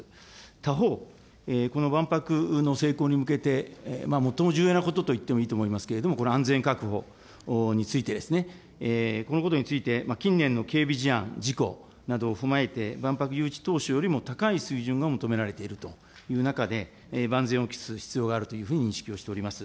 他方、この万博の成功に向けて、最も重要なことといってもいいと思いますけれども、これ安全確保について、このことについて、近年の警備事案、事故などを踏まえて万博誘致当初よりも高い水準が求められているという中で、万全を期す必要があるというふうに認識をしております。